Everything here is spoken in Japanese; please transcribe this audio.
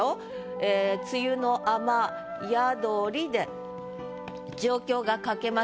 ええ「梅雨の雨宿り」で状況が書けます。